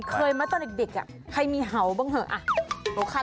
เคยมาตอนเด็ก